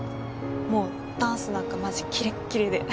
もうダンスなんかマジキレッキレで。